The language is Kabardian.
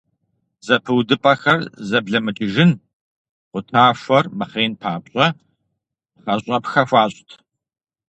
Зэпыудыпӏэхэр зэблэмыкӏыжын, къутахуэр мыхъеин папщӏэ пхъэщӏэпхэ хуащӏт.